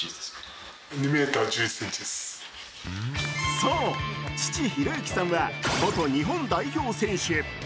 そう、父・啓之さんは元日本代表選手。